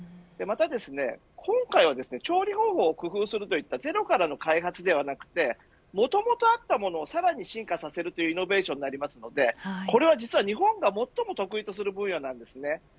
また今回は調理方法を工夫するといったゼロからの開発ではなくもともとあったものをさらに進化させるイノベーションですのでこれは実は日本が最も得意とする分野なんです。